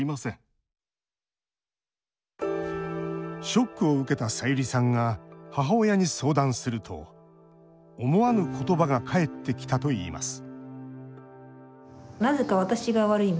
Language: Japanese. ショックを受けたさゆりさんが母親に相談すると、思わぬ言葉が返ってきたといいます